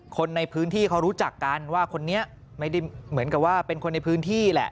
คนในพื้นที่เขารู้จักกันว่าคนนี้ไม่ได้เหมือนกับว่าเป็นคนในพื้นที่แหละ